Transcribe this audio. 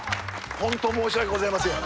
本当申し訳ございません。